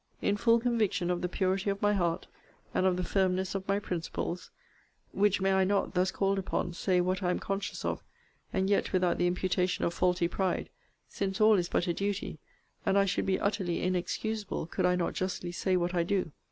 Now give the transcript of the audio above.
In full conviction of the purity of my heart, and of the firmness of my principles, [Why may I not, thus called upon, say what I am conscious of, and yet without the imputation of faulty pride; since all is but a duty, and I should be utterly inexcusable, could I not justly say what I do?